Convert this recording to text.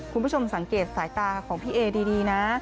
คุณผู้ชมสังเกตสายตาของพี่เอดีนะ